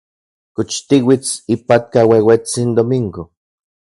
¿Kox tiuits ipatka ueuetsin Domingo?